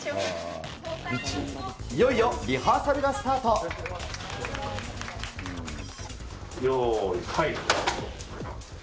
いよいよリハーサルがスターよーい、はい。